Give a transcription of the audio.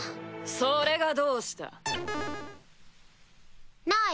それがどうした？なぁ